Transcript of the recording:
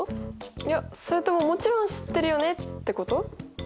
いやそれとももちろん知ってるよねってこと？